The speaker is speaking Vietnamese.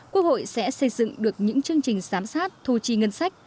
quốc hội sẽ xây dựng được những chương trình giám sát thu chi ngân sách